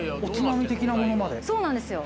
そうなんですよ。